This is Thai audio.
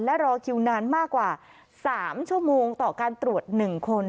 และรอคิวนานมากกว่า๓ชั่วโมงต่อการตรวจ๑คน